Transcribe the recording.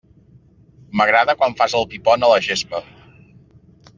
M'agrada quan fas el pi pont a la gespa.